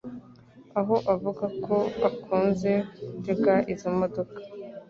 aho avuga ko akunze gutega izi modoka.